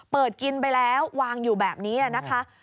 เปิดกินไปแล้ววางอยู่แบบนี้นะคะ